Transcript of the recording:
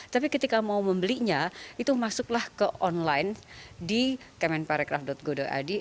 tapi ketika mau membelinya itu masuklah ke online di kemenparekraf go id